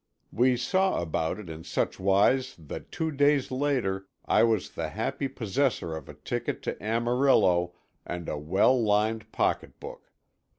We saw about it in such wise that two days later I was the happy possessor of a ticket to Amarillo and a well lined pocket book.